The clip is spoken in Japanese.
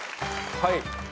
はい。